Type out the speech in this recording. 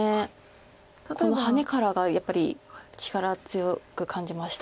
このハネからがやっぱり力強く感じました。